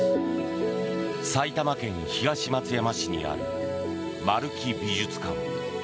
埼玉県東松山市にある丸木美術館。